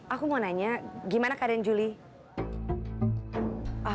aku mau nanya gimana keadaan julie